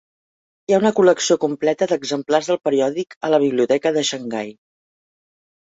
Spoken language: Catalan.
Hi ha una col·lecció completa d'exemplars del periòdic a la Biblioteca de Xangai.